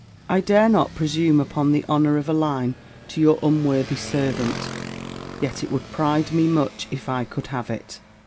"I dare not presume upon the honour of a line to your unworthy servant. Yet it would pride me much, if I could have it.